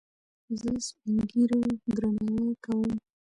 زه سپينږيرو درناوی کوم.